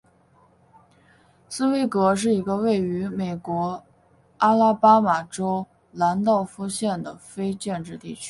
斯威格是一个位于美国阿拉巴马州兰道夫县的非建制地区。